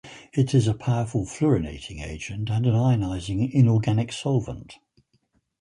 It is a powerful fluorinating agent and an ionizing inorganic solvent.